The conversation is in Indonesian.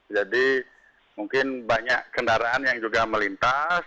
jadi mungkin banyak kendaraan yang juga melintas